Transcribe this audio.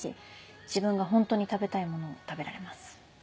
自分がホントに食べたいもの食べられます。